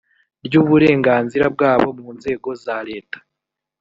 ry uburenganzira bwabo mu nzego za leta